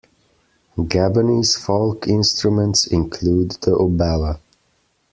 Gabonese folk instruments include the obala.